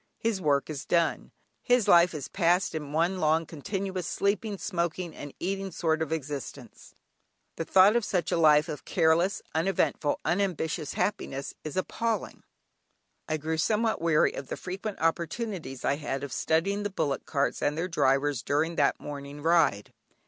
His work is done, his life is passed in one long continuous, sleeping, smoking, and eating sort of existence; the thought of such a life of careless, uneventful, unambitious happiness, is appalling. [Illustration: BURMESE BULLOCK CART] I grew somewhat weary of the frequent opportunities I had of studying the bullock carts and their drivers during that morning ride.